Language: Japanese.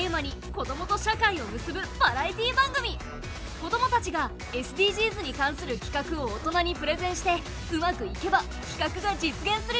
子どもたちがＳＤＧｓに関するきかくを大人にプレゼンしてうまくいけばきかくが実現するよ！